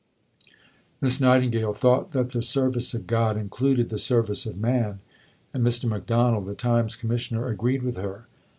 Miss Nightingale thought that the service of God included the service of man, and Mr. Macdonald, the Times Commissioner, agreed with her.